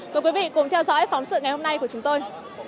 mời quý vị cùng theo dõi phóng sự ngày hôm nay của chúng tôi